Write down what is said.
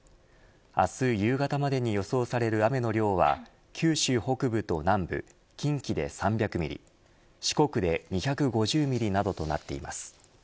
明日夕方までに予想される雨の量は九州北部と南部近畿で３００ミリ四国で２５０ミリなどとなっています。